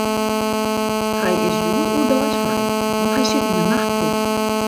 Hy is hjoed oerdeis frij, want hy sit yn 'e nachtploech.